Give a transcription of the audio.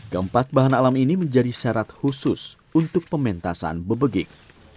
keempat bahan alam ini menjadi syarat khusus untuk pementasan bebegik